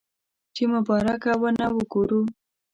چې مبارکه ونه وګورو.